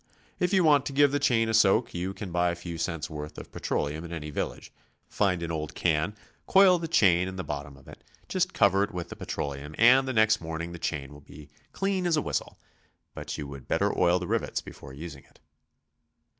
If you want to give the chain a soak, you can buy a few cents' worth of pe troleum in any village; find an old can, coil the chain in the bottom of it, just cover it with petroleum, and the next morning the chain v/ill be clean as a whistle, but you would better oil the rivets before using it.